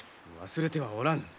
忘れてはおらぬ。